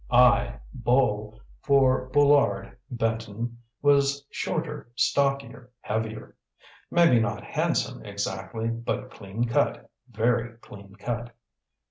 I, Bull (for Boulard) Benton, was shorter, stockier, heavier. Maybe not handsome exactly, but clean cut, very clean cut.